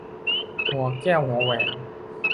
หัวแก้วหัวแหวน